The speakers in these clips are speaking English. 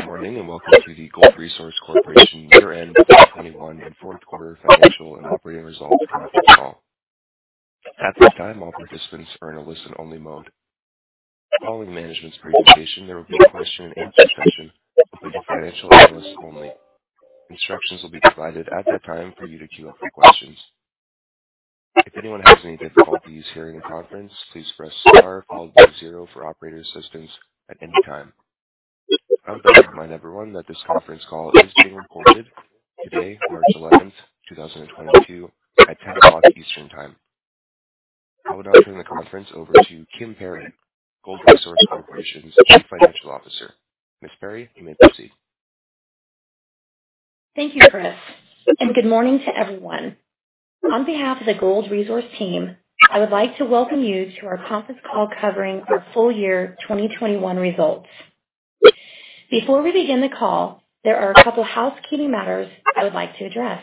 Good morning and welcome to the Gold Resource Corporation Year-End 2021 and Fourth Quarter Financial and Operating Results for the fall. At this time, all participants are in a listen-only mode. Following management's presentation, there will be a question-and-answer session completed by financial analysts only. Instructions will be provided at that time for you to queue up for questions. If anyone has any difficulties hearing the conference, please press star followed by zero for operator assistance at any time. I would like to remind everyone that this conference call is being recorded today, March 11th, 2022, at 10:00 A.M. Eastern Time. I will now turn the conference over to Kim Perry, Gold Resource Corporation's Chief Financial Officer. Ms. Perry, you may proceed. Thank you, Chris, and good morning to everyone. On behalf of the Gold Resource team, I would like to welcome you to our conference call covering our full year 2021 results. Before we begin the call, there are a couple of housekeeping matters I would like to address.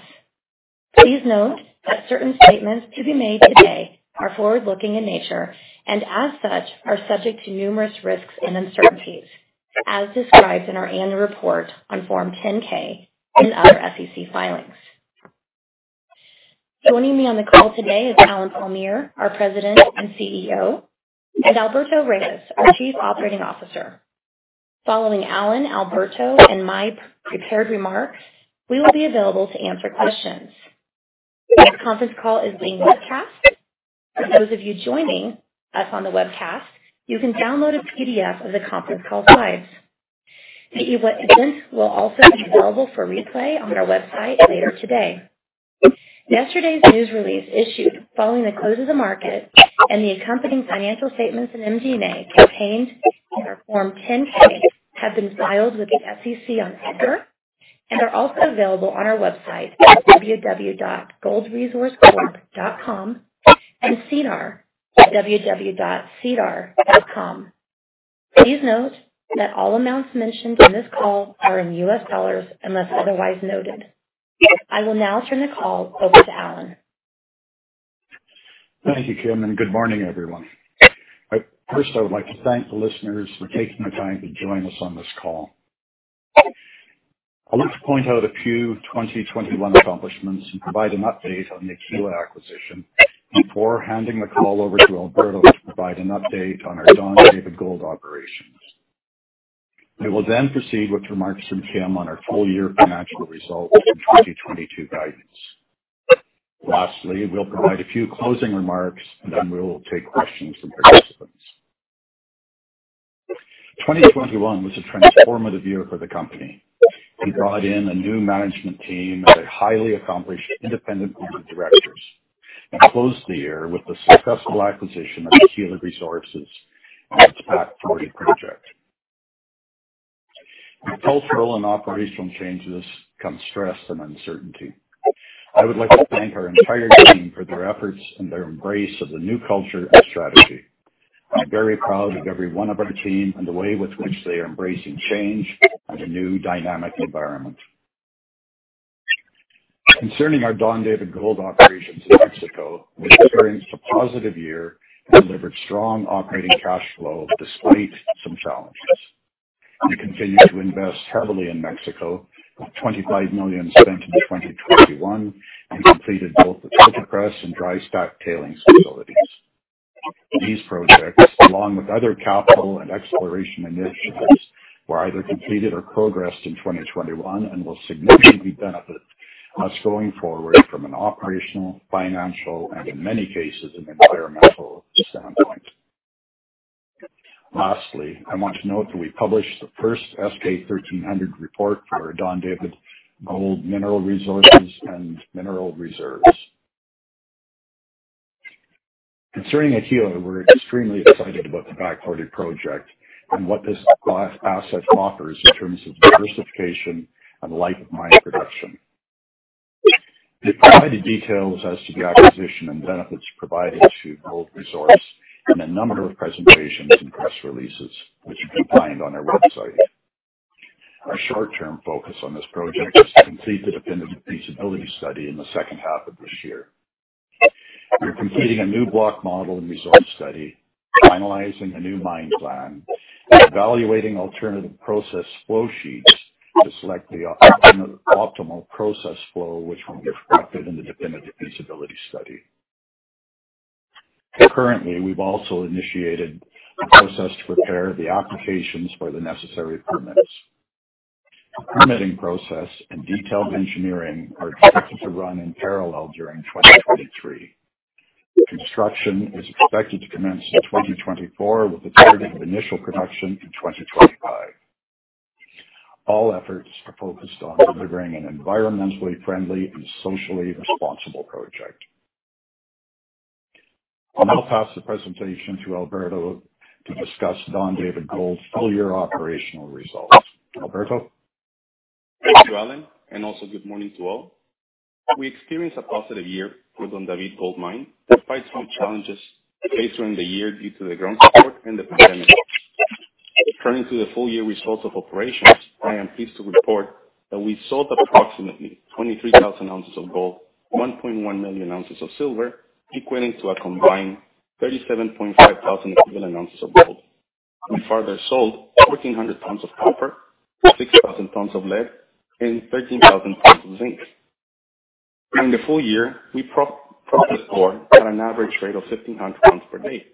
Please note that certain statements to be made today are forward-looking in nature and, as such, are subject to numerous risks and uncertainties, as described in our annual report on Form 10-K and other SEC filings. Joining me on the call today is Allen Palmiere, our President and CEO, and Alberto Reyes, our Chief Operating Officer. Following Allen, Alberto, and my prepared remarks, we will be available to answer questions. This conference call is being webcast. For those of you joining us on the webcast, you can download a PDF of the conference call slides. The event will also be available for replay on our website later today. Yesterday's news release issued following the close of the market and the accompanying financial statements and MD&A contained in our Form 10-K have been filed with the SEC on paper and are also available on our website at www.goldresourcecorp.com and SEDAR+ at www.sedar.com. Please note that all amounts mentioned in this call are in $ unless otherwise noted. I will now turn the call over to Allen. Thank you, Kim, and good morning, everyone. First, I would like to thank the listeners for taking the time to join us on this call. I want to point out a few 2021 accomplishments and provide an update on the Aquila acquisition before handing the call over to Alberto to provide an update on our Don David Gold operations. We will then proceed with remarks from Kim on our full year financial results and 2022 guidance. Lastly, we'll provide a few closing remarks and then we'll take questions from participants. 2021 was a transformative year for the company. We brought in a new management team of highly accomplished independent board of directors and closed the year with the successful acquisition of Aquila Resources and its Back Forty Project. Cultural and operational changes come stress and uncertainty. I would like to thank our entire team for their efforts and their embrace of the new culture and strategy. I'm very proud of every one of our team and the way with which they are embracing change and a new dynamic environment. Concerning our Don David Gold operations in Mexico, we experienced a positive year and delivered strong operating cash flow despite some challenges. We continue to invest heavily in Mexico, with $25 million spent in 2021 and completed both the filter press and dry stack tailings facilities. These projects, along with other capital and exploration initiatives, were either completed or progressed in 2021 and will significantly benefit us going forward from an operational, financial, and in many cases, an environmental standpoint. Lastly, I want to note that we published the first S-K 1300 report for our Don David Gold Mineral Resources and Mineral Reserves. Concerning Aquila, we're extremely excited about the Back Forty Project and what this asset offers in terms of diversification and the life of mine production. We provided details as to the acquisition and benefits provided to Gold Resource in a number of presentations and press releases, which you can find on our website. Our short-term focus on this project is to complete the definitive feasibility study in the second half of this year. We're completing a new block model and resource study, finalizing a new mine plan, and evaluating alternative process flow sheets to select the optimal process flow, which will be reflected in the definitive feasibility study. Currently, we've also initiated the process to prepare the applications for the necessary permits. The permitting process and detailed engineering are expected to run in parallel during 2023. Construction is expected to commence in 2024, with the target of initial production in 2025. All efforts are focused on delivering an environmentally friendly and socially responsible project. I'll now pass the presentation to Alberto to discuss Don David Gold's full year operational results. Alberto? Thank you, Allen, and also good morning to all. We experienced a positive year for Don David Gold Mine, despite some challenges faced during the year due to the ground support and the pandemic. Turning to the full year results of operations, I am pleased to report that we sold approximately 23,000 ozs of gold, 1.1 million ozs of silver, equating to a combined 37,500 equivalent ozs of gold. We further sold 1,400 tons of copper, 6,000 tons of lead, and 13,000 tons of zinc. During the full year, we processed ore at an average rate of 1,500 tons per day.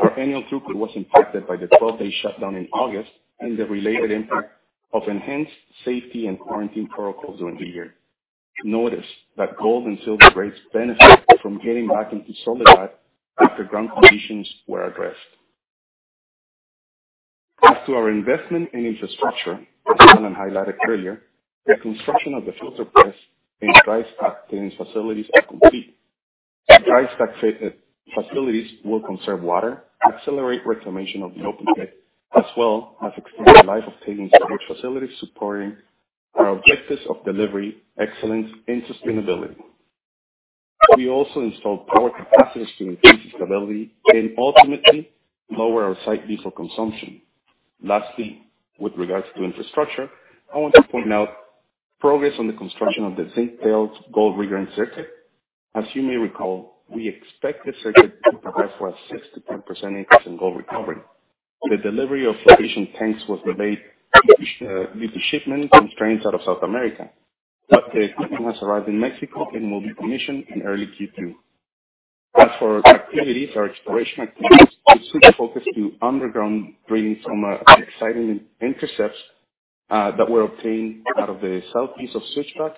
Our annual throughput was impacted by the 12-day shutdown in August and the related impact of enhanced safety and quarantine protocols during the year. Notice that gold and silver rates benefited from getting back into solid state after ground conditions were addressed. As to our investment in infrastructure, as Allen highlighted earlier, the construction of the filter press and dry stack tailings facilities are complete. The dry stack facilities will conserve water, accelerate reclamation of the open pit, as well as extend the life of tailings storage facilities, supporting our objectives of delivery excellence and sustainability. We also installed power capacitors to increase stability and ultimately lower our site diesel consumption. Lastly, with regards to infrastructure, I want to point out progress on the construction of the zinc-tailed gold riggering circuit. As you may recall, we expect the circuit to provide for a 6%-10% increase in gold recovery. The delivery of sufficient tanks was delayed due to shipment constraints out of South America, but the equipment has arrived in Mexico and will be commissioned in early Q2. As for our activities, our exploration activities will seek to focus on underground drilling from exciting intercepts that were obtained out of the southeast of Switchback,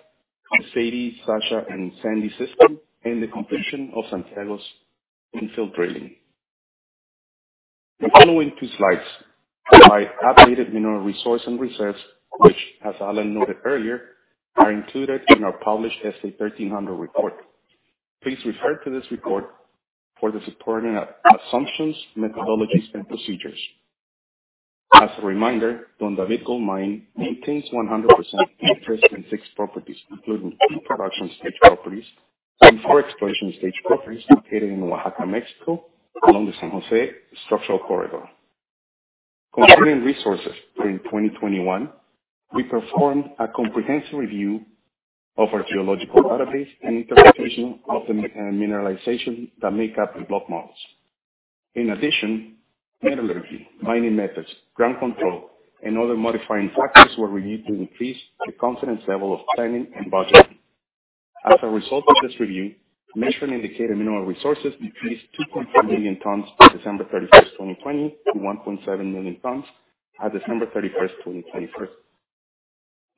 the Sadie, Sasha, and Sandy system, and the completion of Santiago's infill drilling. The following two slides provide updated Mineral Resource and Reserves, which, as Allen noted earlier, are included in our published S-K 1300 report. Please refer to this report for the supporting assumptions, methodologies, and procedures. As a reminder, Don David Gold Mine maintains 100% interest in six properties, including two production stage properties and four exploration stage properties located in Oaxaca, Mexico, along the San Jose Structural Corridor. Concerning resources, during 2021, we performed a comprehensive review of our geological database and interpretation of the mineralization that make up the block models. In addition, metallurgy, mining methods, ground control, and other modifying factors were reviewed to increase the confidence level of planning and budgeting. As a result of this review, Measured and Indicated Mineral Resources decreased from 2.4 million tons on December 31, 2020, to 1.7 million tons on December 31, 2021.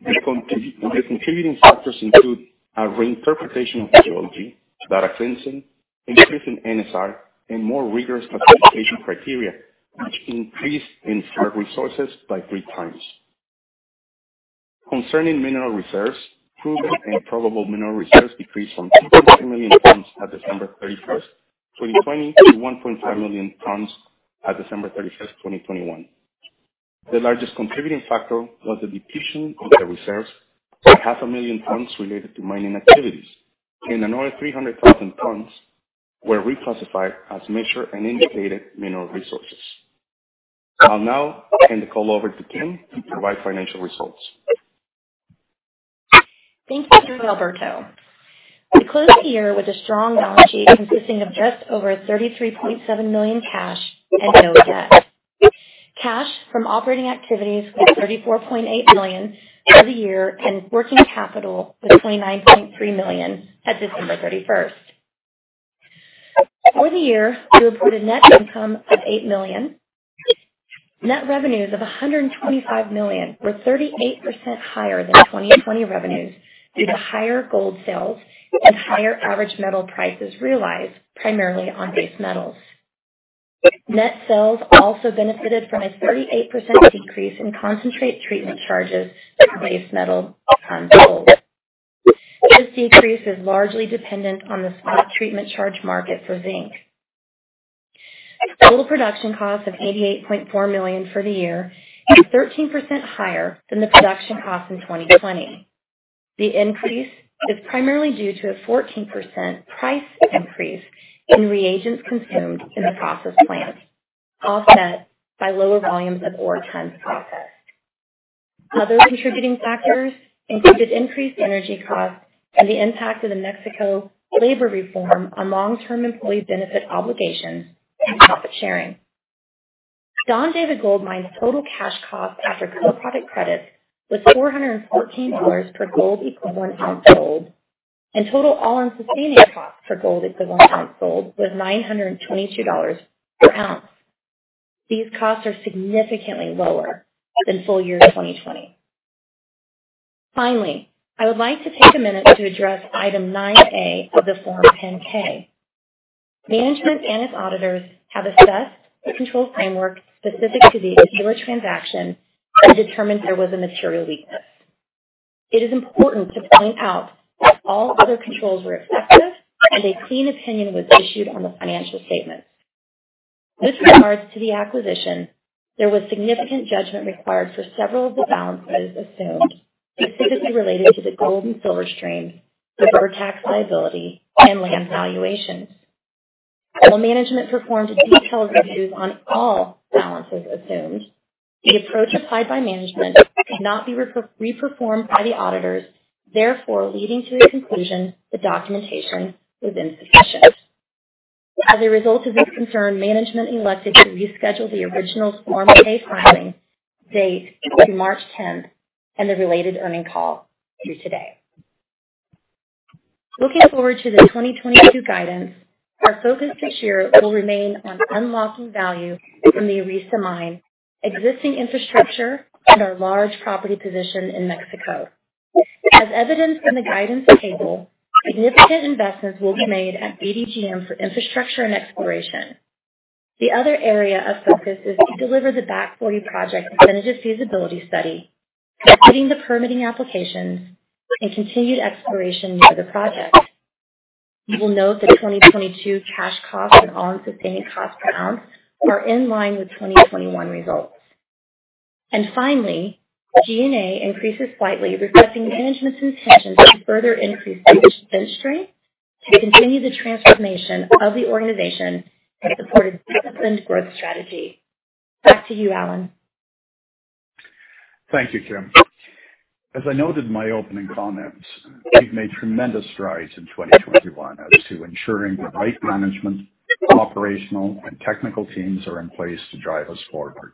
The contributing factors include a reinterpretation of geology, data cleansing, increase in NSR, and more rigorous classification criteria, which increased inferred resources by three times. Concerning Mineral Reserves, Proven and Probable Mineral Reserves decreased from 2.3 million tons on December 31, 2020, to 1.5 million tons on December 31, 2021. The largest contributing factor was the depletion of the reserves by 500,000 tons related to mining activities, and another 300,000 tons were reclassified as Measured and Indicated Mineral Resources. I'll now hand the call over to Kim to provide financial results. Thank you, Alberto. We closed the year with a strong balance sheet consisting of just over $33.7 million cash and no debt. Cash from operating activities was $34.8 million for the year and working capital was $29.3 million at December 31st. For the year, we reported net income of $8 million. Net revenues of $125 million were 38% higher than 2020 revenues due to higher gold sales and higher average metal prices realized primarily on base metals. Net sales also benefited from a 38% decrease in concentrate treatment charges for base metal gold. This decrease is largely dependent on the spot treatment charge market for zinc. Total production costs of $88.4 million for the year is 13% higher than the production costs in 2020. The increase is primarily due to a 14% price increase in reagents consumed in the process plant, offset by lower volumes of ore tons processed. Other contributing factors included increased energy costs and the impact of the Mexico labor reform on long-term employee benefit obligations and profit sharing. Don David Gold Mine's total cash cost after co-product credits was $414 per gold equivalent ounce sold, and total all-in sustaining costs for gold equivalent ounce sold was $922 per ounce. These costs are significantly lower than full year 2020. Finally, I would like to take a minute to address item 9A of the Form 10-K. Management and its auditors have assessed the control framework specific to the Aquila transaction and determined there was a material weakness. It is important to point out that all other controls were effective and a clean opinion was issued on the financial statements. With regards to the acquisition, there was significant judgment required for several of the balances assumed, specifically related to the gold and silver streams, the bird tax liability, and land valuations. While management performed detailed reviews on all balances assumed, the approach applied by management could not be reperformed by the auditors, therefore leading to the conclusion the documentation was insufficient. As a result of this concern, management elected to reschedule the original Form 10-K filing date to March 10th and the related earning call to today. Looking forward to the 2022 guidance, our focus this year will remain on unlocking value from the Arista mine, existing infrastructure, and our large property position in Mexico. As evidenced in the guidance table, significant investments will be made at DDGM for infrastructure and exploration. The other area of focus is to deliver the Back Forty Project definitive feasibility study, completing the permitting applications, and continued exploration near the project. You will note the 2022 cash costs and all-in sustaining costs per ounce are in line with 2021 results. G&A increases slightly, reflecting management's intentions to further increase the existing strength, to continue the transformation of the organization, and support a disciplined growth strategy. Back to you, Allen. Thank you, Kim. As I noted in my opening comments, we've made tremendous strides in 2021 as to ensuring the right management, operational, and technical teams are in place to drive us forward.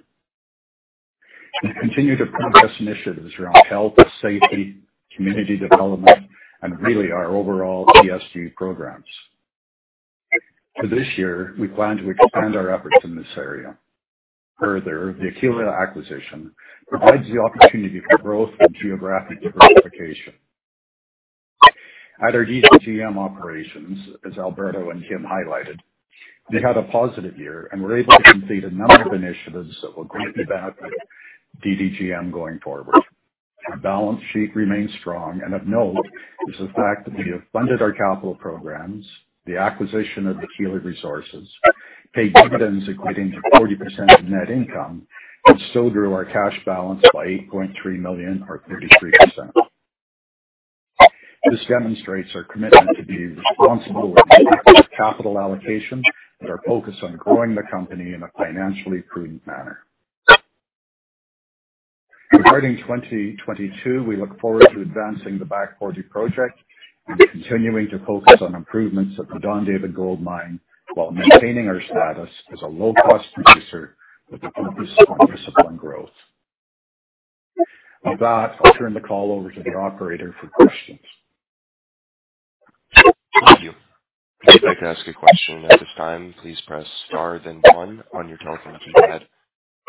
We continue to progress initiatives around health, safety, community development, and really our overall ESG programs. For this year, we plan to expand our efforts in this area. Further, the Aquila acquisition provides the opportunity for growth and geographic diversification. At our DDGM operations, as Alberto and Kim highlighted, we had a positive year and were able to complete a number of initiatives that will greatly benefit DDGM going forward. Our balance sheet remains strong, and of note is the fact that we have funded our capital programs, the acquisition of Aquila Resources, paid dividends equating to 40% of net income, and sold our cash balance by $8.3 million, or 33%. This demonstrates our commitment to be responsible with respect to capital allocation and our focus on growing the company in a financially prudent manner. Regarding 2022, we look forward to advancing the Back Forty Project and continuing to focus on improvements at the Don David Gold Mine while maintaining our status as a low-cost producer with a focus on discipline growth. With that, I'll turn the call over to the operator for questions. Thank you. If you'd like to ask a question at this time. Please press star, then one on your telephone keypad,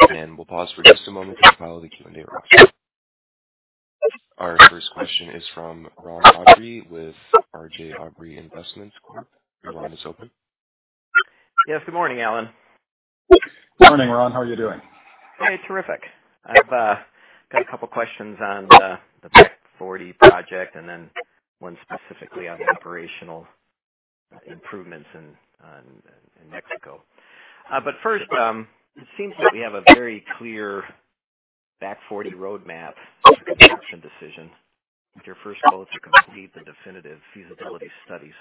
and we'll pause for just a moment to compile the Q&A request. Our first question is from Ron Aubrey with RJ Aubrey Investments Corp. Your line is open. Yes. Good morning, Allen. Good morning, Ron. How are you doing? Hey, terrific. I've got a couple of questions on the Back Forty Project and then one specifically on operational improvements in Mexico. First, it seems that we have a very clear Back Forty roadmap for the construction decision. Your first goal is to complete the definitive feasibility study.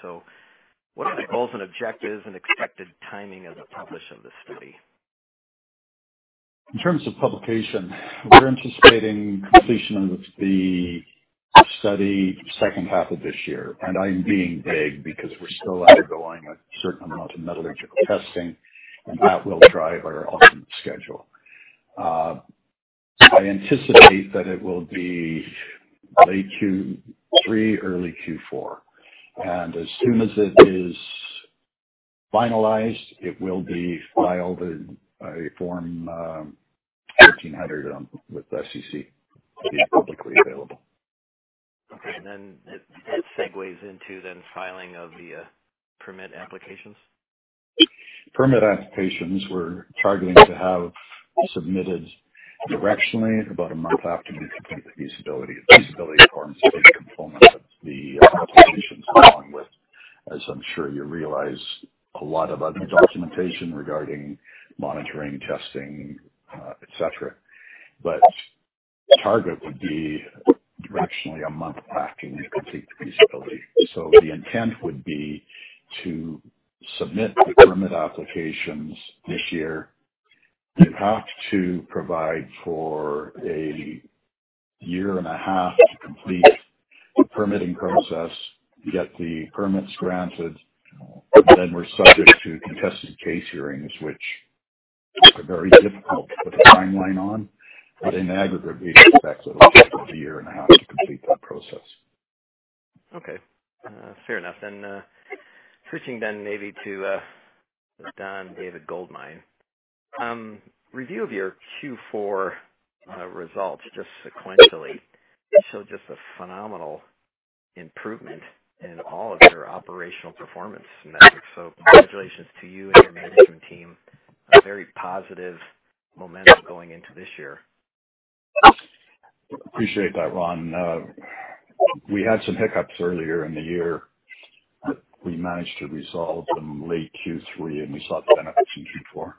What are the goals and objectives and expected timing of the publish of the study? In terms of publication, we're anticipating completion of the study second half of this year. I am being vague because we're still undergoing a certain amount of metallurgical testing, and that will drive our ultimate schedule. I anticipate that it will be late Q3, early Q4. As soon as it is finalized, it will be filed in a Form 1300 with SEC to be publicly available. Okay. It segues into then filing of the permit applications? Permit applications, we're targeting to have submitted directionally about a month after we complete the feasibility forms and components of the applications, along with, as I'm sure you realize, a lot of other documentation regarding monitoring, testing, etc. The target would be directionally a month after we complete the feasibility. The intent would be to submit the permit applications this year. We have to provide for a year and a half to complete the permitting process, get the permits granted, and then we're subject to contested case hearings, which are very difficult to put a timeline on. In aggregate, we expect a year and a half to complete that process. Okay. Fair enough. Switching then maybe to the Don David Gold Mine, review of your Q4 results just sequentially showed just a phenomenal improvement in all of your operational performance metrics. So congratulations to you and your management team. A very positive momentum going into this year. Appreciate that, Ron. We had some hiccups earlier in the year, but we managed to resolve them late Q3, and we saw the benefits in Q4.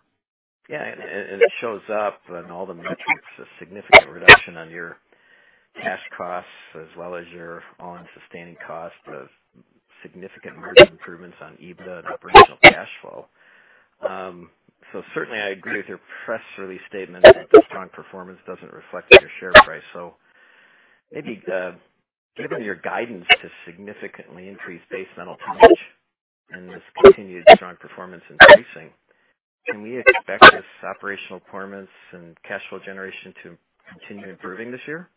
Yeah. It shows up in all the metrics, a significant reduction on your cash costs as well as your all-in sustaining cost, significant margin improvements on EBITDA and operational cash flow. I agree with your press release statement that the strong performance doesn't reflect on your share price. Maybe given your guidance to significantly increase base metal touch and this continued strong performance increasing, can we expect this operational performance and cash flow generation to continue improving this year?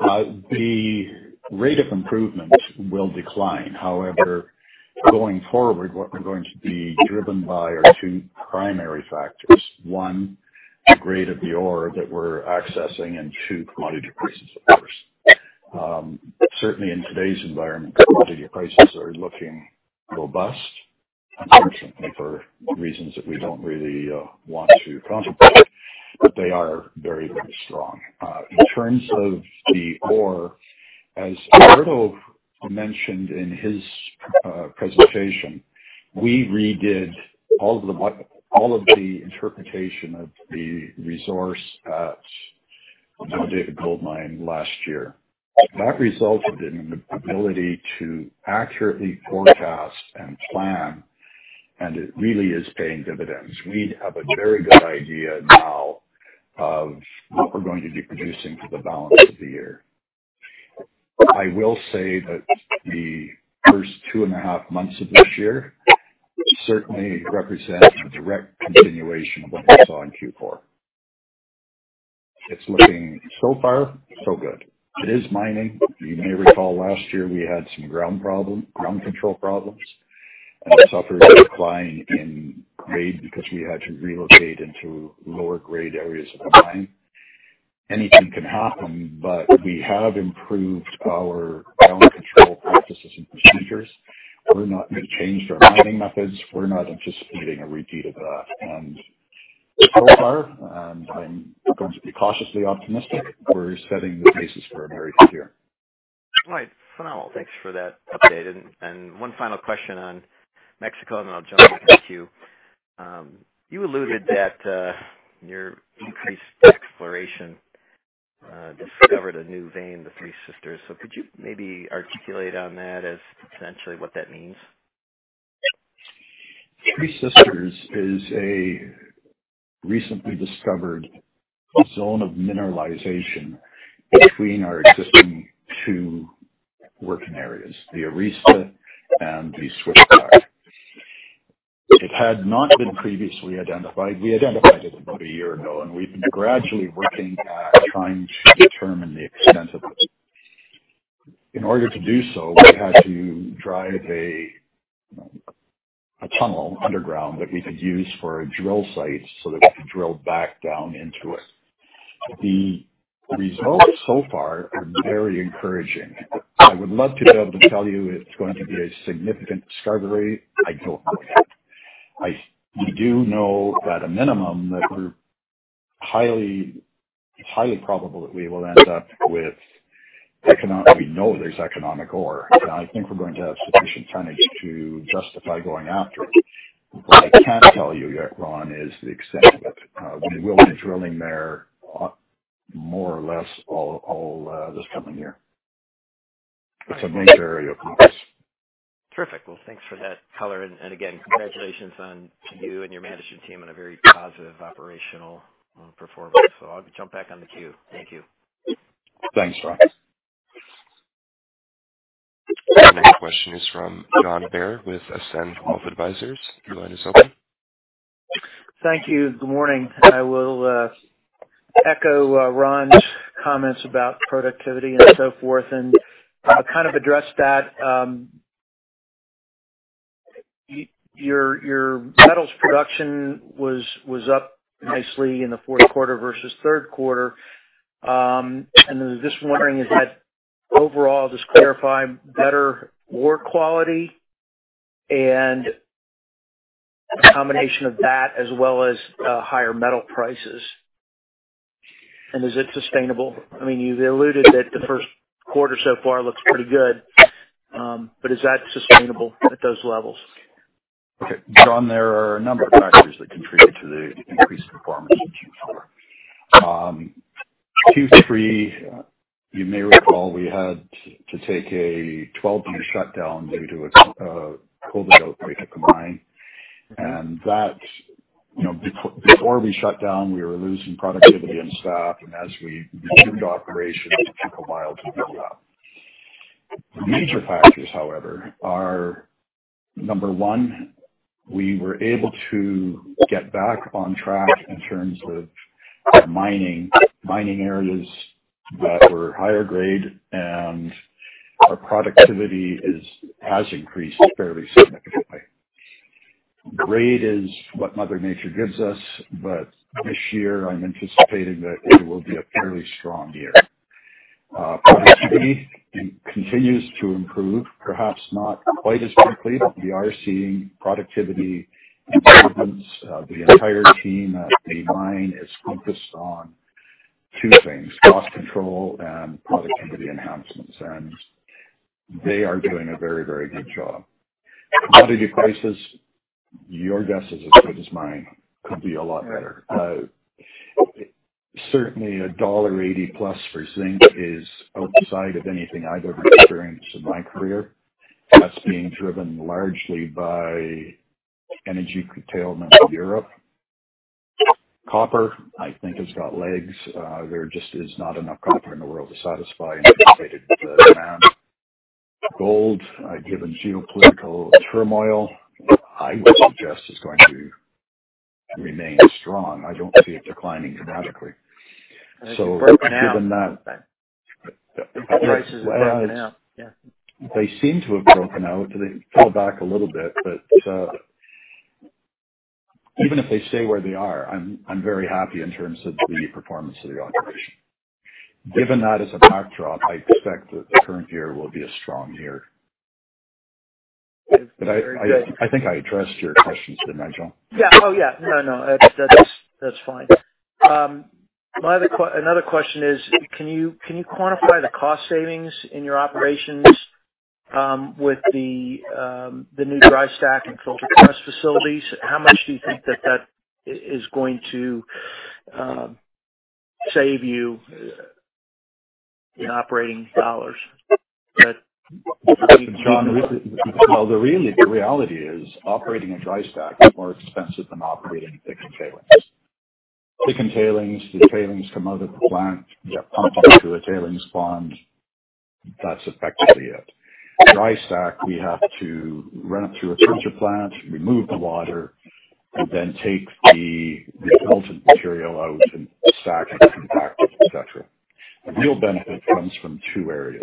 The rate of improvement will decline. However, going forward, what we're going to be driven by are two primary factors. One, the grade of the ore that we're accessing, and two, commodity prices, of course. Certainly, in today's environment, commodity prices are looking robust, unfortunately, for reasons that we don't really want to contemplate, but they are very, very strong. In terms of the ore, as Alberto mentioned in his presentation, we redid all of the interpretation of the resource at Don David Gold Mine last year. That resulted in an ability to accurately forecast and plan, and it really is paying dividends. We have a very good idea now of what we're going to be producing for the balance of the year. I will say that the first two and a half months of this year certainly represent a direct continuation of what we saw in Q4. It's looking so far, so good. It is mining. You may recall last year we had some ground control problems and suffered a decline in grade because we had to relocate into lower grade areas of the mine. Anything can happen, but we have improved our ground control practices and procedures. We're not going to change our mining methods. We're not anticipating a repeat of that. So far, I'm going to be cautiously optimistic. We're setting the basis for a very good year. Right. Phenomenal. Thanks for that update. One final question on Mexico, then I'll jump back to queue. You alluded that your increased exploration discovered a new vein, the Three Sisters. Could you maybe articulate on that as potentially what that means? Three Sisters is a recently discovered zone of mineralization between our existing two working areas, the Arista and the Switchback. It had not been previously identified. We identified it about a year ago, and we've been gradually working at trying to determine the extent of it. In order to do so, we had to drive a tunnel underground that we could use for a drill site so that we could drill back down into it. The results so far are very encouraging. I would love to be able to tell you it's going to be a significant discovery. I don't know yet. We do know at a minimum that it's highly probable that we will end up with economic—we know there's economic ore. I think we're going to have sufficient tonnage to justify going after it. What I can't tell you yet, Ron, is the extent of it. We will be drilling there more or less all this coming year. It's a major area of interest. Terrific. Thank you for that color. Again, congratulations to you and your management team on a very positive operational performance. I'll jump back on the queue. Thank you. Thanks, Ron. Next question is from John Bair with Ascend Wealth Advisors. Your line is open. Thank you. Good morning. I will echo Ron's comments about productivity and so forth and kind of address that. Your metals production was up nicely in the fourth quarter versus third quarter. I was just wondering, is that overall, just clarify, better ore quality and a combination of that as well as higher metal prices? Is it sustainable? I mean, you've alluded that the first quarter so far looks pretty good, but is that sustainable at those levels? Okay. John, there are a number of factors that contribute to the increased performance in Q4. Q3, you may recall, we had to take a 12-day shutdown due to a COVID outbreak at the mine. Before we shut down, we were losing productivity and staff, and as we resumed operations, it took a while to build up. The major factors, however, are number one, we were able to get back on track in terms of mining areas that were higher grade, and our productivity has increased fairly significantly. Grade is what Mother Nature gives us, but this year, I'm anticipating that it will be a fairly strong year. Productivity continues to improve, perhaps not quite as quickly, but we are seeing productivity improvements. The entire team at the mine is focused on two things: cost control and productivity enhancements. They are doing a very, very good job. Commodity prices, your guess is as good as mine, could be a lot better. Certainly, a $1.80+ for zinc is outside of anything I've ever experienced in my career. That's being driven largely by energy curtailment in Europe. Copper, I think, has got legs. There just is not enough copper in the world to satisfy anticipated demand. Gold, given geopolitical turmoil, I would suggest is going to remain strong. I do not see it declining dramatically. Given that. They're broken out. The prices have broken out. Yeah. They seem to have broken out. They fell back a little bit, but even if they stay where they are, I'm very happy in terms of the performance of the operation. Given that as a backdrop, I expect that the current year will be a strong year. I think I addressed your questions there, John. Yeah. Oh, yeah. No, no. That's fine. Another question is, can you quantify the cost savings in your operations with the new dry stack and filter press facilities? How much do you think that that is going to save you in operating dollars? The reality is operating a dry stack is more expensive than operating thickened tailings. Thickened tailings, the tailings come out of the plant. You have to pump them through a tailings pond. That is effectively it. Dry stack, we have to run it through a filter plant, remove the water, and then take the resultant material out and stack it and compact it, etc. The real benefit comes from two areas.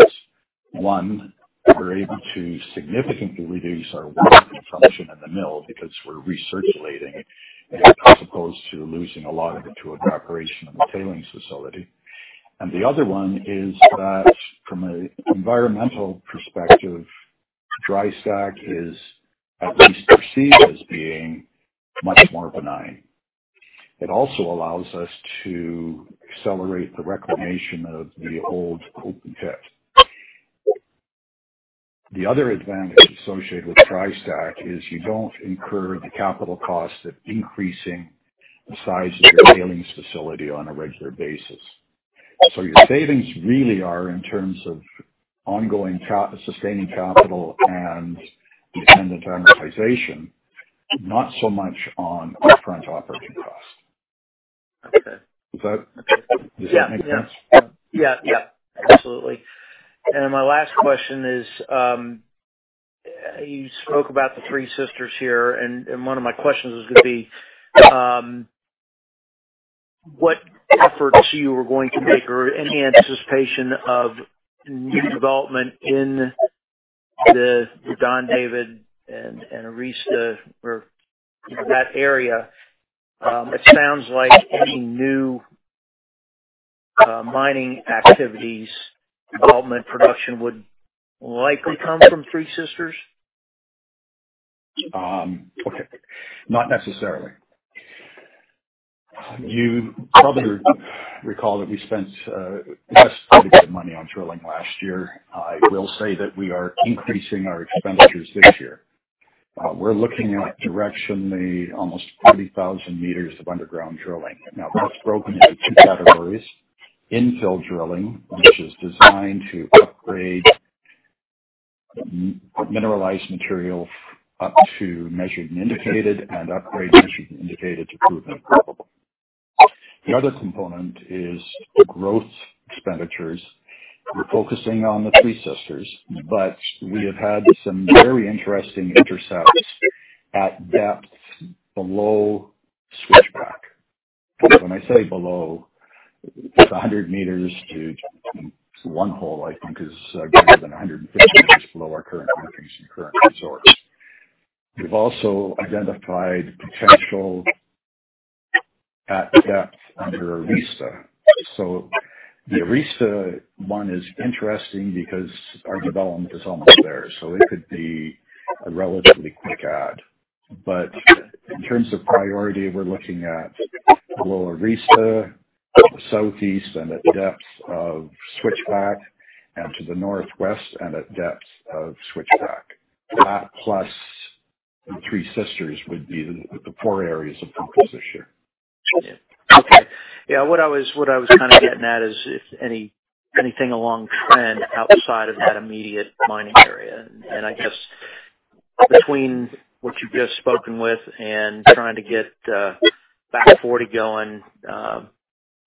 One, we are able to significantly reduce our working function in the mill because we are recirculating as opposed to losing a lot of it to evaporation in the tailings facility. The other one is that from an environmental perspective, dry stack is at least perceived as being much more benign. It also allows us to accelerate the reclamation of the old open pit. The other advantage associated with dry stack is you don't incur the capital cost of increasing the size of your tailings facility on a regular basis. Your savings really are in terms of ongoing sustaining capital and dependent amortization, not so much on upfront operating cost. Does that make sense? Yeah. Yeah. Yeah. Absolutely. My last question is, you spoke about the Three Sisters here, and one of my questions was going to be, what efforts you were going to make or any anticipation of new development in the Don David and Arista or that area? It sounds like any new mining activities, development, production would likely come from Three Sisters? Okay. Not necessarily. You probably recall that we spent the best budget for money on drilling last year. I will say that we are increasing our expenditures this year. We're looking at directionally almost 40,000 m of underground drilling. Now, that's broken into two categories: infill drilling, which is designed to upgrade mineralized material up to Measured and Indicated and upgrade Measured and Indicated to Proven and Probable. The other component is growth expenditures. We're focusing on the Three Sisters, but we have had some very interesting intercepts at depth below Switchback. When I say below, it's 100 m to one hole, I think, is greater than 150 m below our current location and current resource. We've also identified potential at depth under Arista. The Arista one is interesting because our development is almost there. It could be a relatively quick add. In terms of priority, we're looking at below Arista, southeast, and at depth of Switchback, and to the northwest, and at depth of Switchback. That plus the Three Sisters would be the four areas of focus this year. Okay. Yeah. What I was kind of getting at is anything along trend outside of that immediate mining area. I guess between what you've just spoken with and trying to get Back Forty going,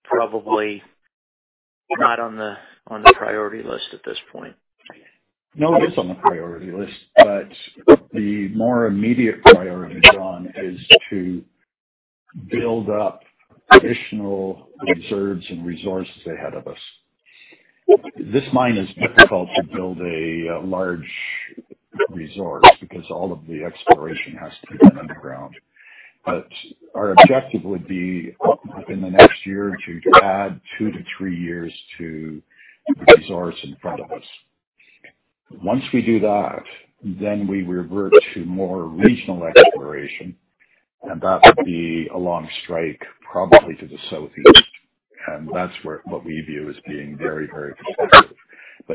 probably not on the priority list at this point. No, it is on the priority list, but the more immediate priority, John, is to build up additional reserves and resources ahead of us. This mine is difficult to build a large resource because all of the exploration has to be done underground. Our objective would be within the next year or two to add two to three years to the resource in front of us. Once we do that, we revert to more regional exploration, and that would be along strike probably to the southeast. That is what we view as being very, very expensive.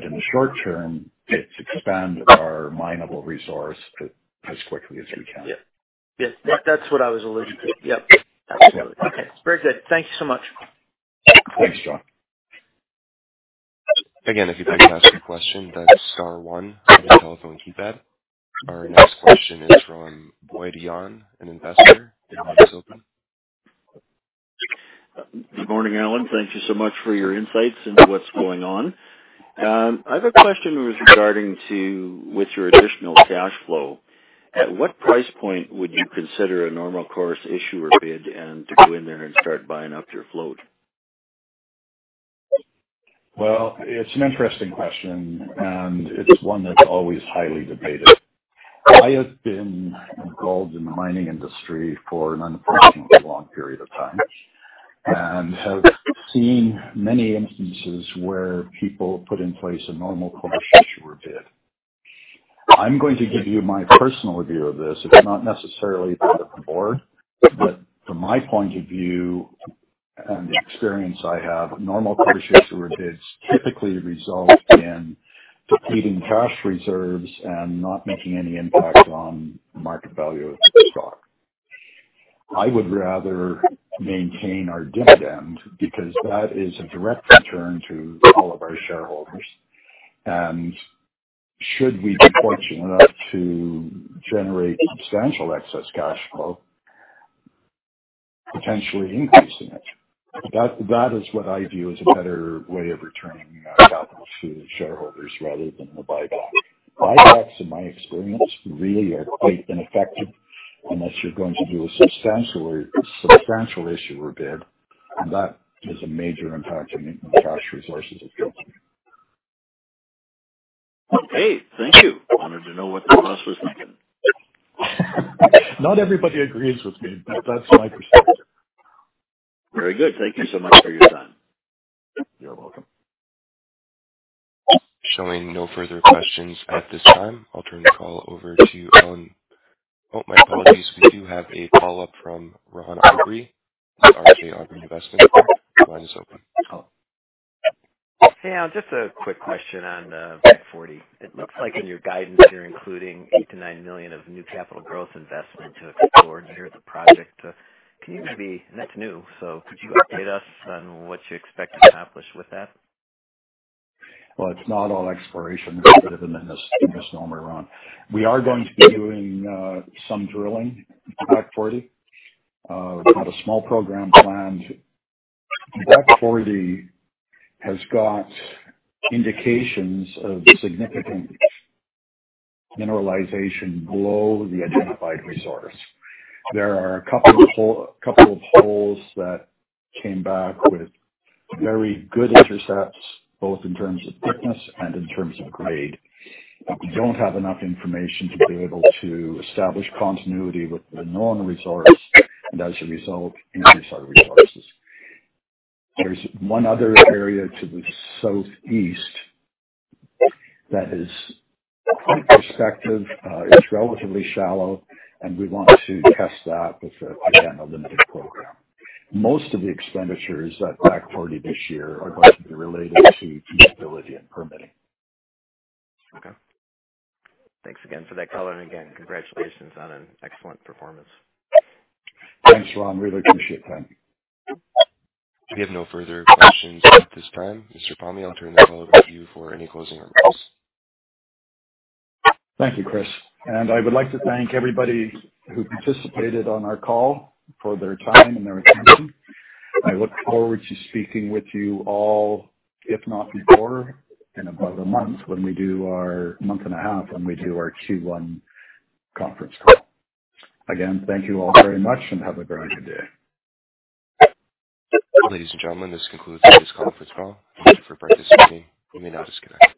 In the short term, it is expand our minable resource as quickly as we can. Yes. That's what I was alluding to. Yep. Absolutely. Okay. Very good. Thank you so much. Thanks, John. Again, if you'd like to ask a question, that's star one on the telephone keypad. Our next question is from Boyd Young, an investor in Mexico. Good morning, Allen. Thank you so much for your insights into what's going on. I have a question regarding your additional cash flow. At what price point would you consider a normal course issue or bid and to go in there and start buying up your float? It's an interesting question, and it's one that's always highly debated. I have been involved in the mining industry for an unfortunately long period of time and have seen many instances where people put in place a normal course issuer bid. I'm going to give you my personal view of this. It's not necessarily that of the board, but from my point of view and the experience I have, normal course issuer bids typically result in depleting cash reserves and not making any impact on market value of the stock. I would rather maintain our dividend because that is a direct return to all of our shareholders. Should we be fortunate enough to generate substantial excess cash flow, potentially increasing it, that is what I view as a better way of returning capital to shareholders rather than the buyback. Buybacks, in my experience, really are quite ineffective unless you're going to do a substantial issue or bid. That has a major impact on cash resources of the company. Okay. Thank you. Wanted to know what the boss was thinking. Not everybody agrees with me, but that's my perspective. Very good. Thank you so much for your time. You're welcome. Showing no further questions at this time, I'll turn the call over to Allen. Oh, my apologies. We do have a call up from Ron Aubrey, RJ Aubrey Investments. The line is open. Hey, Allen. Just a quick question on Back Forty. It looks like in your guidance, you're including $8 million-$9 million of new capital growth investment to explore near the project. Can you be—and that's new. Could you update us on what you expect to accomplish with that? It's not all exploration. I'm just normally around. We are going to be doing some drilling at Back Forty. We've got a small program planned. Back Forty has got indications of significant mineralization below the identified resource. There are a couple of holes that came back with very good intercepts, both in terms of thickness and in terms of grade. We don't have enough information to be able to establish continuity with the known resource and, as a result, increase our resources. There's one other area to the southeast that is quite prospective. It's relatively shallow, and we want to test that with, again, a limited program. Most of the expenditures at Back Forty this year are going to be related to feasibility and permitting. Okay. Thanks again for that, Allen. Again, congratulations on an excellent performance. Thanks, Ron. Really appreciate that. We have no further questions at this time. Mr. Palmiere, I'll turn the call over to you for any closing remarks. Thank you, Chris. I would like to thank everybody who participated on our call for their time and their attention. I look forward to speaking with you all, if not before, in about a month and a half when we do our Q1 conference call. Again, thank you all very much and have a very good day. Ladies and gentlemen, this concludes today's conference call. Thank you for participating. You may now disconnect.